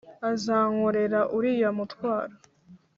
azankorera uriya mutwaro.